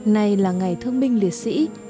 này là ngày thương binh liệt sĩ